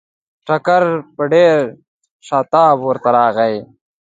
ټکر په ډېر شتاب ورته راغی.